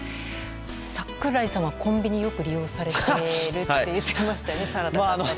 櫻井さんはコンビニをよく利用されるていると言ってましたよね。